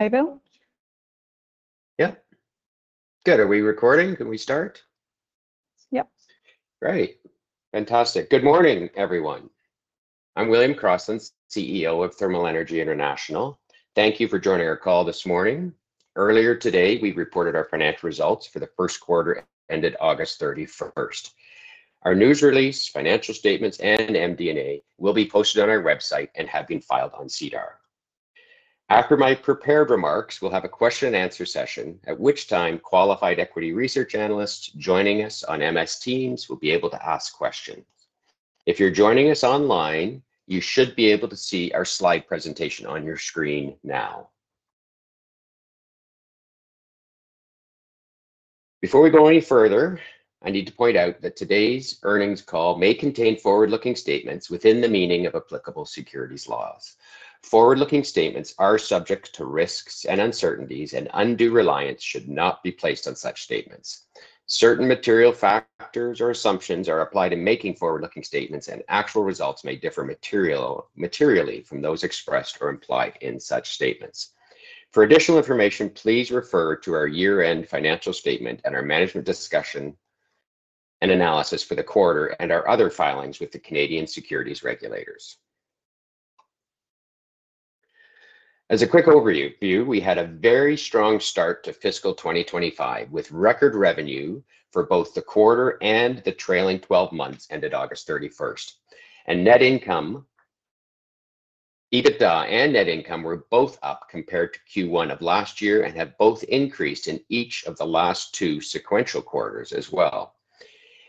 Hi Bill. Yeah. Good. Are we recording? Can we start? Yep. Great. Fantastic. Good morning, everyone. I'm William Crossland, CEO of Thermal Energy International. Thank you for joining our call this morning. Earlier today, we reported our financial results for the first quarter ended August 31st. Our news release, financial statements, and MD&A will be posted on our website and have been filed on SEDAR. After my prepared remarks, we'll have a question-and-answer session, at which time qualified equity research analysts joining us on MS Teams will be able to ask questions. If you're joining us online, you should be able to see our slide presentation on your screen now. Before we go any further, I need to point out that today's earnings call may contain forward-looking statements within the meaning of applicable securities laws. Forward-looking statements are subject to risks and uncertainties, and undue reliance should not be placed on such statements. Certain material factors or assumptions are applied in making forward-looking statements, and actual results may differ materially from those expressed or implied in such statements. For additional information, please refer to our year-end financial statement and our management's discussion and analysis for the quarter and our other filings with the Canadian securities regulators. As a quick overview, we had a very strong start to fiscal 2025 with record revenue for both the quarter and the trailing 12 months ended August 31st, and net income, EBITDA and net income were both up compared to Q1 of last year and have both increased in each of the last two sequential quarters as well.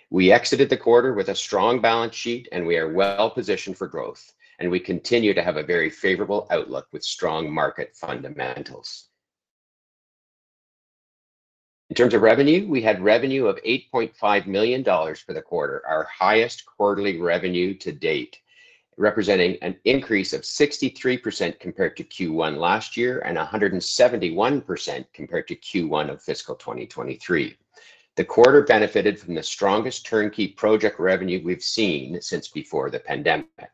We exited the quarter with a strong balance sheet, and we are well positioned for growth, and we continue to have a very favorable outlook with strong market fundamentals. In terms of revenue, we had revenue of 8.5 million dollars for the quarter, our highest quarterly revenue to date, representing an increase of 63% compared to Q1 last year and 171% compared to Q1 of fiscal 2023. The quarter benefited from the strongest turnkey project revenue we've seen since before the pandemic.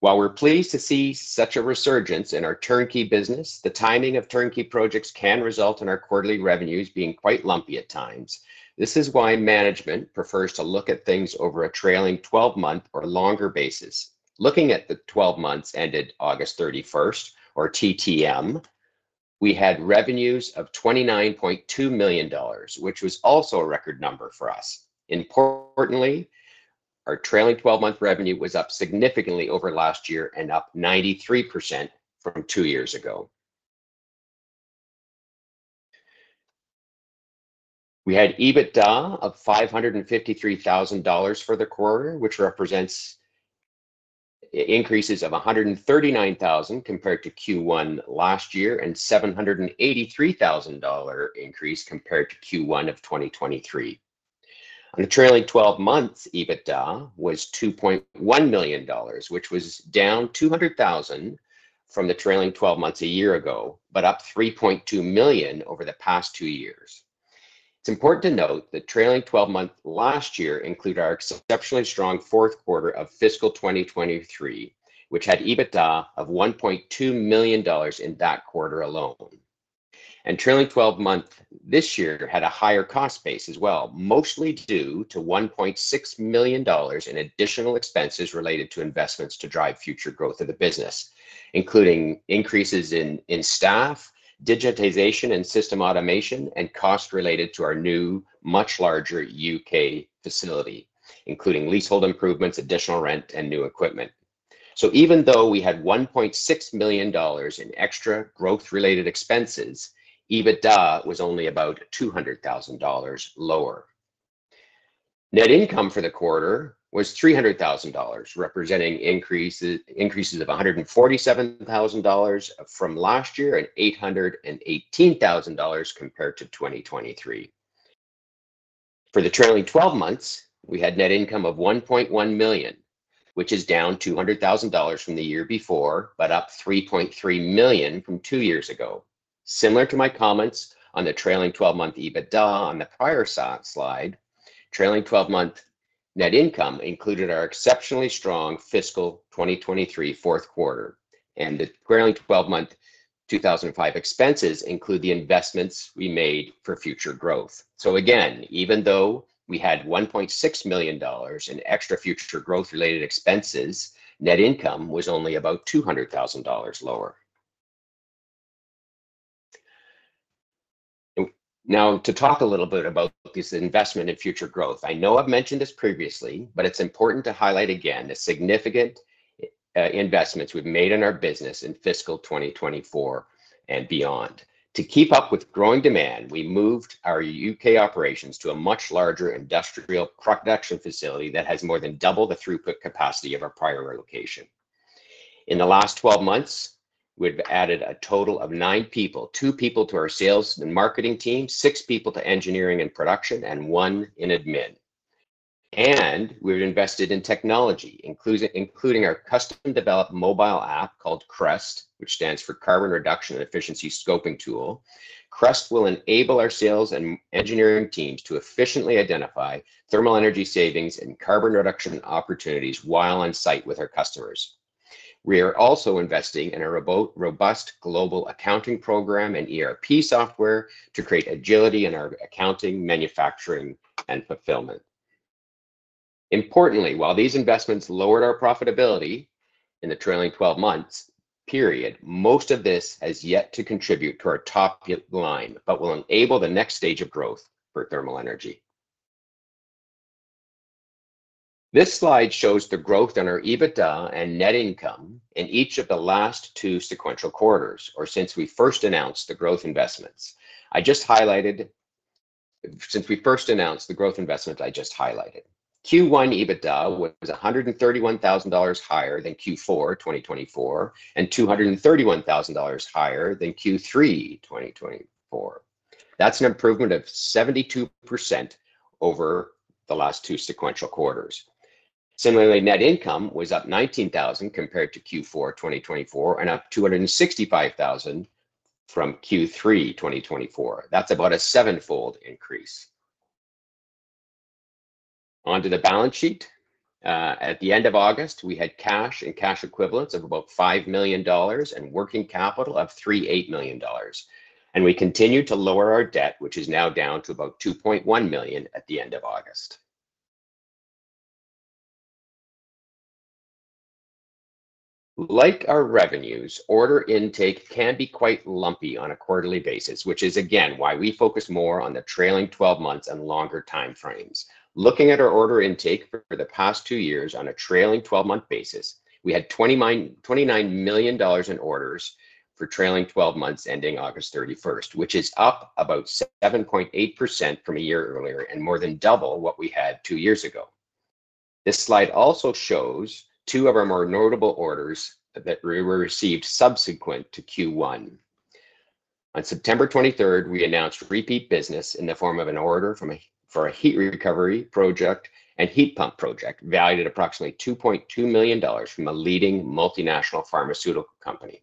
While we're pleased to see such a resurgence in our turnkey business, the timing of turnkey projects can result in our quarterly revenues being quite lumpy at times. This is why management prefers to look at things over a trailing 12-month or longer basis. Looking at the 12 months ended August 31st, or TTM, we had revenues of 29.2 million dollars, which was also a record number for us. Importantly, our trailing 12-month revenue was up significantly over last year and up 93% from two years ago. We had EBITDA of 553,000 dollars for the quarter, which represents increases of 139,000 compared to Q1 last year and a 783,000 dollar increase compared to Q1 of 2023. On the trailing 12 months, EBITDA was 2.1 million dollars, which was down 200,000 from the trailing 12 months a year ago, but up 3.2 million over the past two years. It's important to note that trailing 12 months last year include our exceptionally strong fourth quarter of fiscal 2023, which had EBITDA of 1.2 million dollars in that quarter alone, and trailing 12 months this year had a higher cost base as well, mostly due to 1.6 million dollars in additional expenses related to investments to drive future growth of the business, including increases in staff, digitization and system automation, and costs related to our new, much larger U.K. facility, including leasehold improvements, additional rent, and new equipment. So even though we had 1.6 million dollars in extra growth-related expenses, EBITDA was only about 200,000 dollars lower. Net income for the quarter was 300,000 dollars, representing increases of 147,000 dollars from last year and 818,000 dollars compared to 2023. For the trailing 12 months, we had net income of 1.1 million, which is down 200,000 dollars from the year before, but up 3.3 million from two years ago. Similar to my comments on the trailing 12-month EBITDA on the prior slide, trailing 12-month net income included our exceptionally strong fiscal 2023 fourth quarter, and the trailing 12-month 2025 expenses include the investments we made for future growth. So again, even though we had 1.6 million dollars in extra future growth-related expenses, net income was only about 200,000 dollars lower. Now, to talk a little bit about this investment in future growth, I know I've mentioned this previously, but it's important to highlight again the significant investments we've made in our business in fiscal 2024 and beyond. To keep up with growing demand, we moved our UK operations to a much larger industrial production facility that has more than double the throughput capacity of our prior location. In the last 12 months, we've added a total of nine people, two people to our sales and marketing team, six people to engineering and production, and one in admin. And we've invested in technology, including our custom-developed mobile app called CREST, which stands for Carbon Reduction and Efficiency Scoping Tool. CREST will enable our sales and engineering teams to efficiently identify thermal energy savings and carbon reduction opportunities while on site with our customers. We are also investing in a robust global accounting program and ERP software to create agility in our accounting, manufacturing, and fulfillment. Importantly, while these investments lowered our profitability in the trailing 12-month period, most of this has yet to contribute to our top line, but will enable the next stage of growth for Thermal Energy. This slide shows the growth in our EBITDA and net income in each of the last two sequential quarters, or since we first announced the growth investments. I just highlighted. Q1 EBITDA was $131,000 higher than Q4 2024 and $231,000 higher than Q3 2024. That's an improvement of 72% over the last two sequential quarters. Similarly, net income was up $19,000 compared to Q4 2024 and up $265,000 from Q3 2024. That's about a seven-fold increase. Onto the balance sheet. At the end of August, we had cash and cash equivalents of about 5 million dollars and working capital of 38 million dollars, and we continue to lower our debt, which is now down to about 2.1 million at the end of August. Like our revenues, order intake can be quite lumpy on a quarterly basis, which is again why we focus more on the trailing 12 months and longer time frames. Looking at our order intake for the past two years on a trailing 12-month basis, we had 29 million dollars in orders for trailing 12 months ending August 31st, which is up about 7.8% from a year earlier and more than double what we had two years ago. This slide also shows two of our more notable orders that we received subsequent to Q1. On September 23rd, we announced repeat business in the form of an order for a heat recovery project and heat pump project valued at approximately 2.2 million dollars from a leading multinational pharmaceutical company.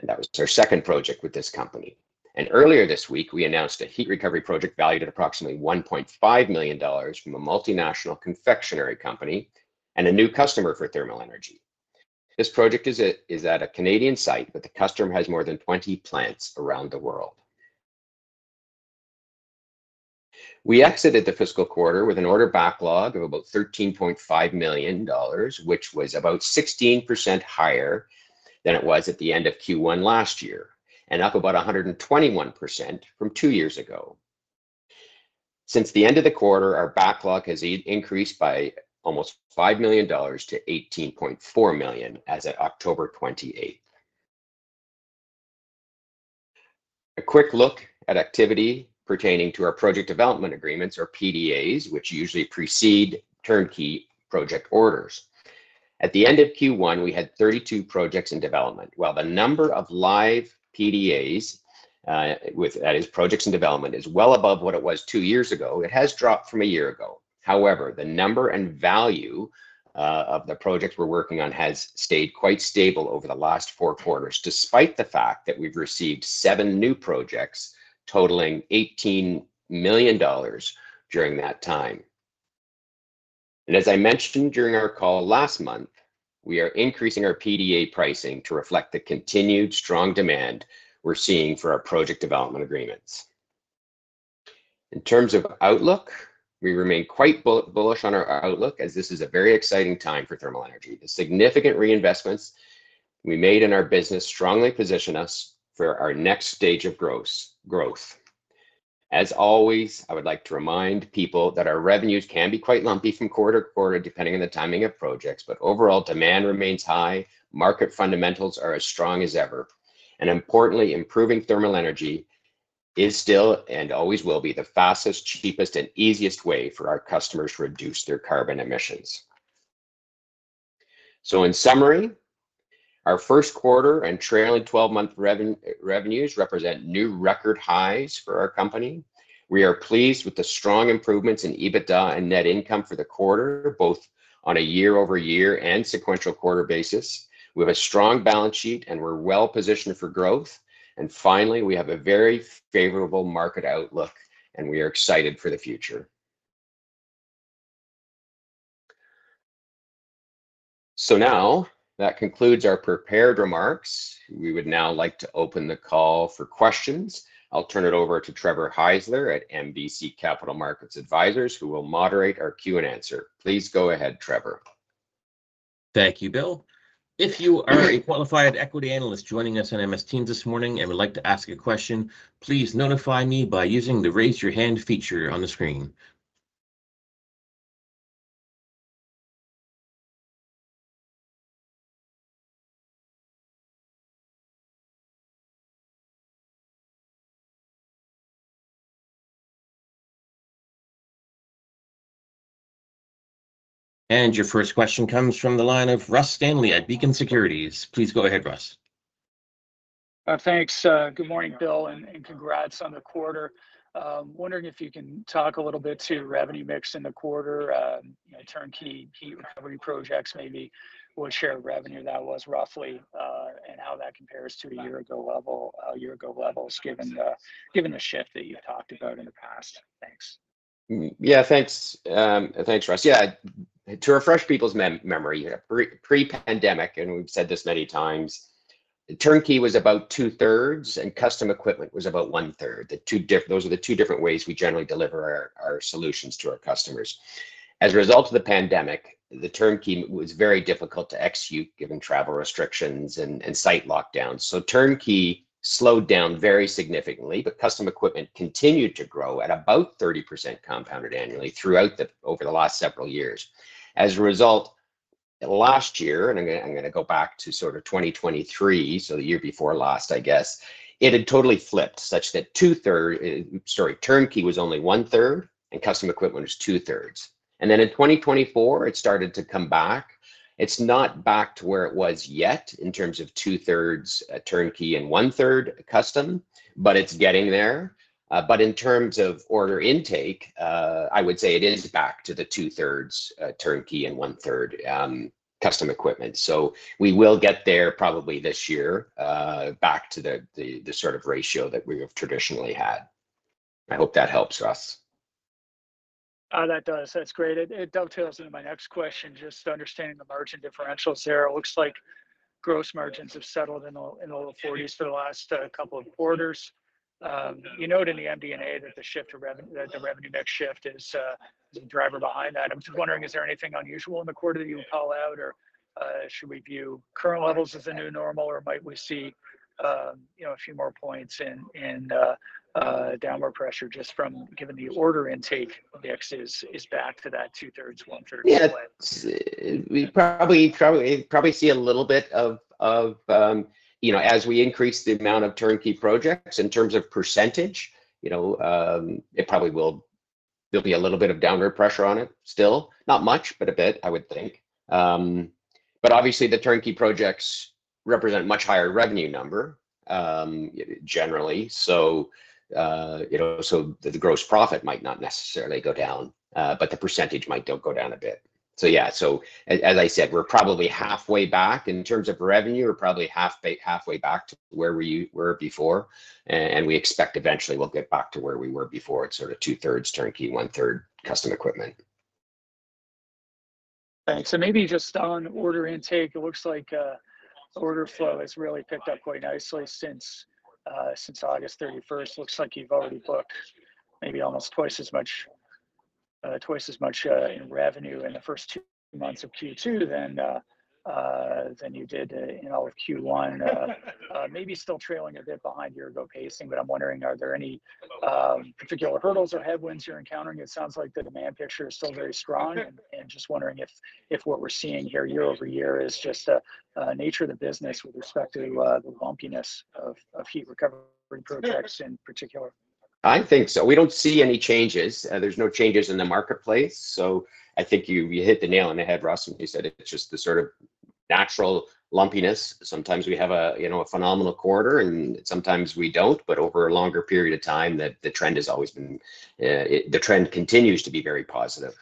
And that was our second project with this company. And earlier this week, we announced a heat recovery project valued at approximately 1.5 million dollars from a multinational confectionery company and a new customer for thermal energy. This project is at a Canadian site, but the customer has more than 20 plants around the world. We exited the fiscal quarter with an order backlog of about 13.5 million dollars, which was about 16% higher than it was at the end of Q1 last year and up about 121% from two years ago. Since the end of the quarter, our backlog has increased by almost 5 million dollars to 18.4 million as of October 28th. A quick look at activity pertaining to our project development agreements, or PDAs, which usually precede turnkey project orders. At the end of Q1, we had 32 projects in development. While the number of live PDAs, that is, projects in development, is well above what it was two years ago, it has dropped from a year ago. However, the number and value of the projects we're working on has stayed quite stable over the last four quarters, despite the fact that we've received seven new projects totaling 18 million dollars during that time. And as I mentioned during our call last month, we are increasing our PDA pricing to reflect the continued strong demand we're seeing for our project development agreements. In terms of outlook, we remain quite bullish on our outlook as this is a very exciting time for thermal energy. The significant reinvestments we made in our business strongly position us for our next stage of growth. As always, I would like to remind people that our revenues can be quite lumpy from quarter to quarter depending on the timing of projects, but overall demand remains high, market fundamentals are as strong as ever, and importantly, improving thermal energy is still and always will be the fastest, cheapest, and easiest way for our customers to reduce their carbon emissions, so in summary, our first quarter and trailing 12-month revenues represent new record highs for our company. We are pleased with the strong improvements in EBITDA and net income for the quarter, both on a year-over-year and sequential quarter basis. We have a strong balance sheet, and we're well positioned for growth, and finally, we have a very favorable market outlook, and we are excited for the future. So now that concludes our prepared remarks. We would now like to open the call for questions. I'll turn it over to Trevor Heisler at MBC Capital Markets Advisors, who will moderate our Q&A. Please go ahead, Trevor. Thank you, Bill. If you are a qualified equity analyst joining us on MS Teams this morning and would like to ask a question, please notify me by using the raise your hand feature on the screen. And your first question comes from the line of Russ Stanley at Beacon Securities. Please go ahead, Russ. Thanks. Good morning, Bill, and congrats on the quarter. I'm wondering if you can talk a little bit to revenue mix in the quarter, turnkey heat recovery projects maybe what share of revenue that was roughly and how that compares to a year-ago level, year-ago levels given the shift that you've talked about in the past. Thanks. Yeah, thanks. Thanks, Russ. Yeah. To refresh people's memory, pre-pandemic, and we've said this many times, turnkey was about two-thirds and custom equipment was about one-third. Those are the two different ways we generally deliver our solutions to our customers. As a result of the pandemic, the turnkey was very difficult to execute given travel restrictions and site lockdowns. So turnkey slowed down very significantly, but custom equipment continued to grow at about 30% compounded annually throughout over the last several years. As a result, last year, and I'm going to go back to sort of 2023, so the year before last, I guess, it had totally flipped such that two-thirds, sorry, turnkey was only one-third and custom equipment was two-thirds. And then in 2024, it started to come back. It's not back to where it was yet in terms of two-thirds turnkey and one-third custom, but it's getting there. But in terms of order intake, I would say it is back to the two-thirds turnkey and one-third custom equipment. So we will get there probably this year back to the sort of ratio that we have traditionally had. I hope that helps, Russ. That does. That's great. It dovetails into my next question. Just understanding the margin differentials there, it looks like gross margins have settled in the low 40s for the last couple of quarters. You note in the MD&A that the revenue mix shift is the driver behind that. I'm just wondering, is there anything unusual in the quarter that you would call out, or should we view current levels as a new normal, or might we see a few more points in downward pressure just from, given the order intake mix is back to that two-thirds, one-third? Yes. We probably see a little bit of, as we increase the amount of turnkey projects in terms of percentage, it probably will be a little bit of downward pressure on it still, not much, but a bit, I would think, but obviously, the turnkey projects represent a much higher revenue number generally, so the gross profit might not necessarily go down, but the percentage might go down a bit, so yeah, so as I said, we're probably halfway back in terms of revenue. We're probably halfway back to where we were before, and we expect eventually we'll get back to where we were before. It's sort of two-thirds turnkey, one-third custom equipment. Thanks, and maybe just on order intake, it looks like order flow has really picked up quite nicely since August 31st. Looks like you've already booked maybe almost twice as much in revenue in the first two months of Q2 than you did in all of Q1. Maybe still trailing a bit behind year-ago pacing, but I'm wondering, are there any particular hurdles or headwinds you're encountering? It sounds like the demand picture is still very strong, and just wondering if what we're seeing here year-over-year is just the nature of the business with respect to the lumpiness of heat recovery projects in particular. I think so. We don't see any changes. There's no changes in the marketplace. So I think you hit the nail on the head, Russ, when you said it's just the sort of natural lumpiness. Sometimes we have a phenomenal quarter, and sometimes we don't, but over a longer period of time, the trend has always been the trend continues to be very positive.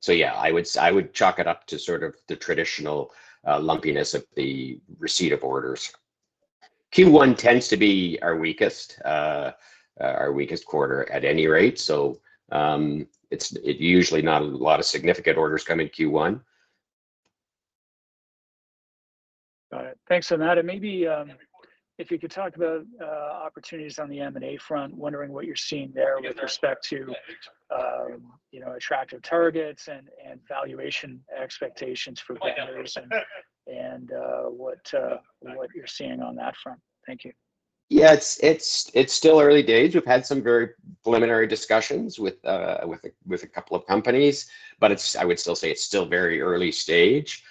So yeah, I would chalk it up to sort of the traditional lumpiness of the receipt of orders. Q1 tends to be our weakest quarter at any rate. So it's usually not a lot of significant orders coming Q1. Got it. Thanks for that. And maybe if you could talk about opportunities on the M&A front, wondering what you're seeing there with respect to attractive targets and valuation expectations for vendors and what you're seeing on that front. Thank you. Yeah, it's still early days. We've had some very preliminary discussions with a couple of companies, but I would still say it's still very early stage.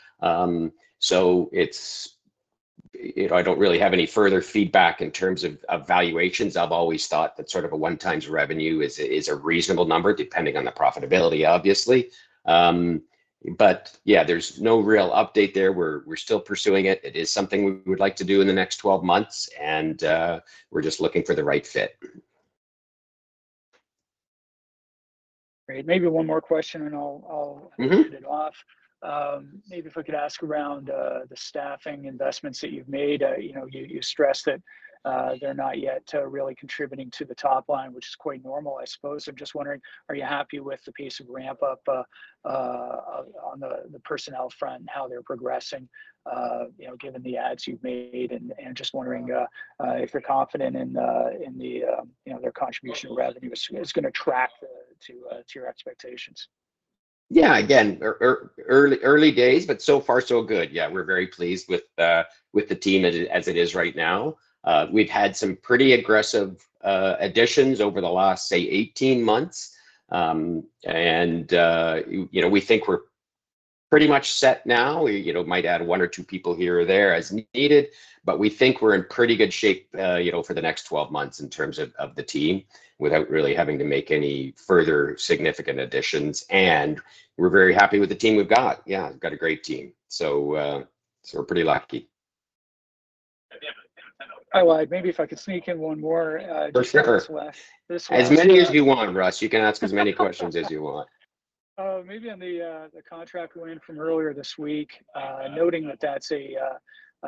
So I don't really have any further feedback in terms of valuations. I've always thought that sort of a one-time revenue is a reasonable number depending on the profitability, obviously. But yeah, there's no real update there. We're still pursuing it. It is something we would like to do in the next 12 months, and we're just looking for the right fit. Great. Maybe one more question, and I'll hand it off. Maybe if I could ask around the staffing investments that you've made. You stressed that they're not yet really contributing to the top line, which is quite normal, I suppose. I'm just wondering, are you happy with the pace of ramp-up on the personnel front and how they're progressing given the ads you've made? and just wondering if you're confident in their contribution to revenue is going to track to your expectations. Yeah, again, early days, but so far, so good. Yeah, we're very pleased with the team as it is right now. We've had some pretty aggressive additions over the last, say, 18 months, and we think we're pretty much set now. We might add one or two people here or there as needed, but we think we're in pretty good shape for the next 12 months in terms of the team without really having to make any further significant additions. And we're very happy with the team we've got. Yeah, we've got a great team. So we're pretty lucky. I lied. Maybe if I could sneak in one more. For sure. This one is good. As many as you want, Russ. You can ask as many questions as you want. Maybe on the contract we won earlier this week, noting that that's a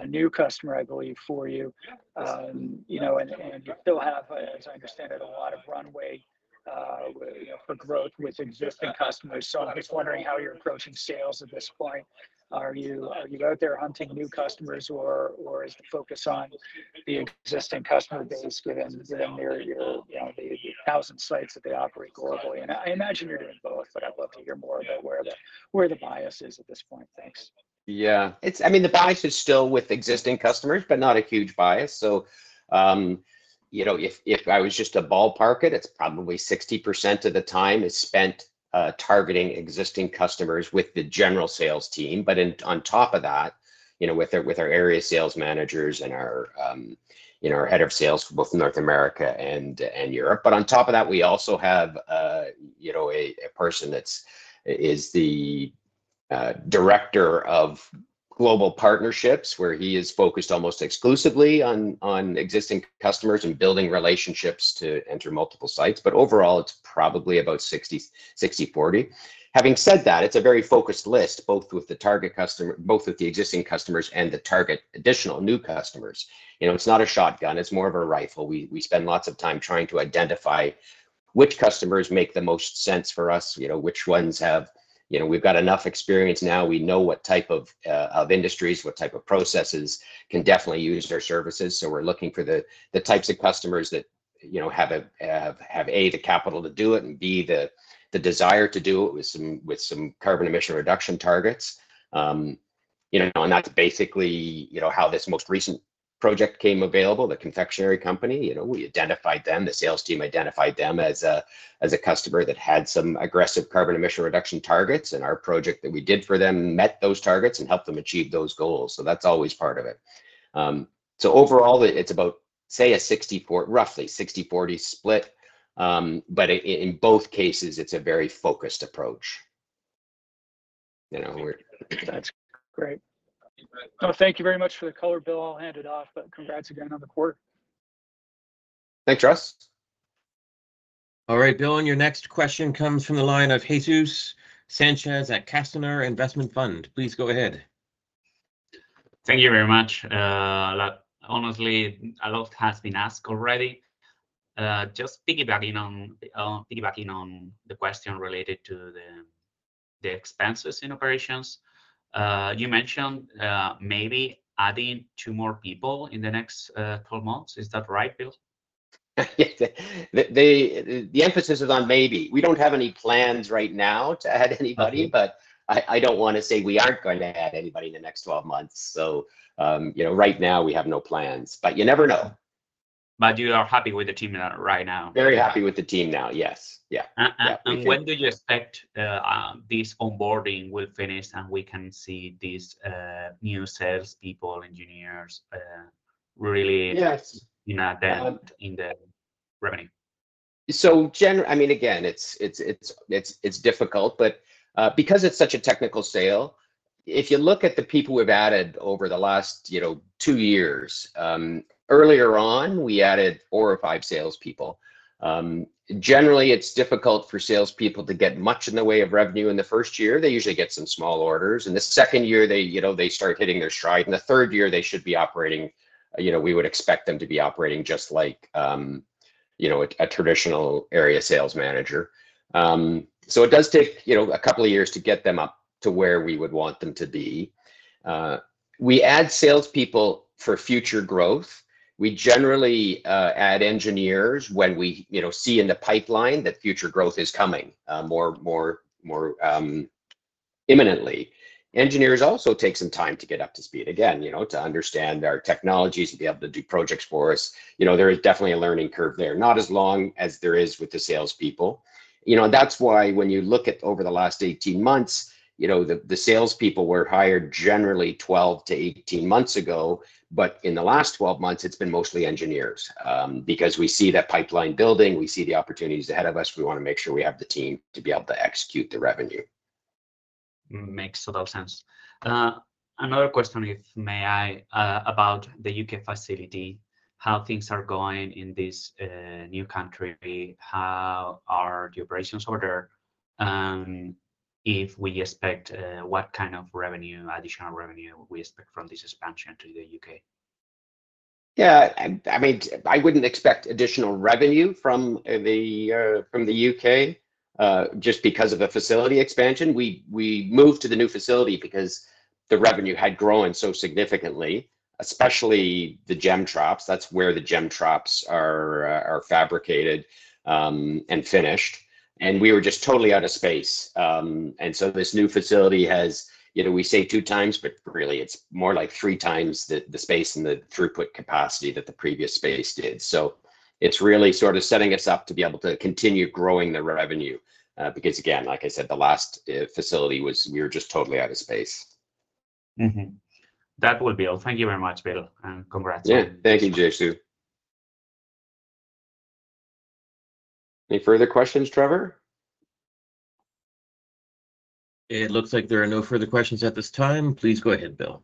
new customer, I believe, for you. And you still have, as I understand it, a lot of runway for growth with existing customers. So I'm just wondering how you're approaching sales at this point. Are you out there hunting new customers, or is the focus on the existing customer base given the thousand sites that they operate globally? And I imagine you're doing both, but I'd love to hear more about where the bias is at this point. Thanks. Yeah. I mean, the bias is still with existing customers, but not a huge bias. So if I was just to ballpark it, it's probably 60% of the time is spent targeting existing customers with the general sales team. But on top of that, with our area sales managers and our head of sales for both North America and Europe. But on top of that, we also have a person that is the director of global partnerships where he is focused almost exclusively on existing customers and building relationships to enter multiple sites. But overall, it's probably about 60%-40%. Having said that, it's a very focused list, both with the target customers, both with the existing customers and the target additional new customers. It's not a shotgun. It's more of a rifle. We spend lots of time trying to identify which customers make the most sense for us, which ones we've got enough experience now. We know what type of industries, what type of processes can definitely use our services. So we're looking for the types of customers that have A, the capital to do it, and B, the desire to do it with some carbon emission reduction targets. And that's basically how this most recent project came available, the confectionery company. We identified them. The sales team identified them as a customer that had some aggressive carbon emission reduction targets. And our project that we did for them met those targets and helped them achieve those goals. So that's always part of it. So overall, it's about, say, a roughly 60-40 split. But in both cases, it's a very focused approach. That's great. Well, thank you very much for the color, Bill. I'll hand it off, but congrats again on the quarter. Thanks, Russ. All right, Bill, and your next question comes from the line of Jesus Sanchez at Castañar Investment Fund. Please go ahead. Thank you very much. Honestly, a lot has been asked already. Just piggybacking on the question related to the expenses and operations, you mentioned maybe adding two more people in the next 12 months. Is that right, Bill? Yes. The emphasis is on maybe. We don't have any plans right now to add anybody, but I don't want to say we aren't going to add anybody in the next 12 months. So right now, we have no plans, but you never know. But you are happy with the team right now. Very happy with the team now. Yes. Yeah. And when do you expect this onboarding will finish and we can see these new salespeople, engineers really in the revenue? So I mean, again, it's difficult, but because it's such a technical sale, if you look at the people we've added over the last two years, earlier on, we added four or five salespeople. Generally, it's difficult for salespeople to get much in the way of revenue in the first year. They usually get some small orders. In the second year, they start hitting their stride. In the third year, they should be operating. We would expect them to be operating just like a traditional area sales manager. So it does take a couple of years to get them up to where we would want them to be. We add salespeople for future growth. We generally add engineers when we see in the pipeline that future growth is coming more imminently. Engineers also take some time to get up to speed, again, to understand our technologies and be able to do projects for us. There is definitely a learning curve there, not as long as there is with the salespeople. That's why when you look at over the last 18 months, the salespeople were hired generally 12 to 18 months ago, but in the last 12 months, it's been mostly engineers. Because we see that pipeline building, we see the opportunities ahead of us, we want to make sure we have the team to be able to execute the revenue. Makes a lot of sense. Another question, if I may, about the UK facility, how things are going in this new country, how are the operations order? What kind of additional revenue do we expect from this expansion to the UK? Yeah. I mean, I wouldn't expect additional revenue from the UK just because of the facility expansion. We moved to the new facility because the revenue had grown so significantly, especially the GEM traps. That's where the GEM traps are fabricated and finished. And we were just totally out of space. And so this new facility has, we say two times, but really, it's more like three times the space and the throughput capacity that the previous space did. So it's really sort of setting us up to be able to continue growing the revenue. Because again, like I said, the last facility was, we were just totally out of space. That will be all. Thank you very much, Bill. And congrats. Yeah. Thank you, Jesus. Any further questions, Trevor? It looks like there are no further questions at this time. Please go ahead, Bill.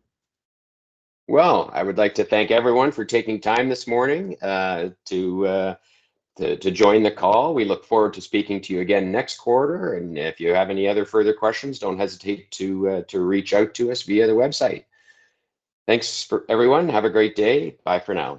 Well, I would like to thank everyone for taking time this morning to join the call. We look forward to speaking to you again next quarter. And if you have any other further questions, don't hesitate to reach out to us via the website. Thanks, everyone. Have a great day. Bye for now.